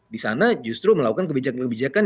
di sana justru melakukan kebijakan kebijakan